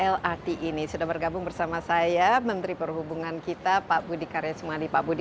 lrt ini sudah bergabung bersama saya menteri perhubungan kita pak budi karya sumadi pak budi